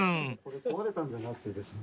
壊れたんじゃなくてですね。